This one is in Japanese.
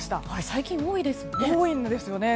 最近、多いですね。